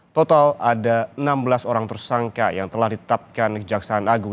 total ada enam belas orang tersangka yang telah ditetapkan kejaksaan agung